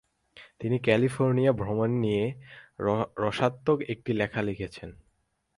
তিনি ক্যালিফোর্নিয়া ভ্রমণ নিয়ে রসাত্মক একটি লেখা লিখেছিলেন।